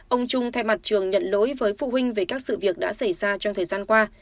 ông trung thay mặt trường nhận lỗi với phụ huynh về các sự việc đã xảy ra trong thời gian qua